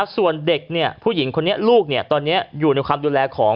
ส่วนเด็กผู้หญิงลูกอยู่ในความดูแลของ